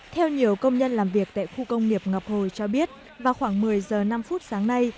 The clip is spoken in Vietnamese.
theo nhiều công nhân làm việc tại khu công nghiệp ngọc hồi cho biết vào khoảng một mươi giờ năm phút sáng nay